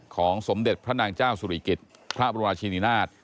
สมเด็จพระนางเจ้าสุริกิจพระบรมราชินินาศ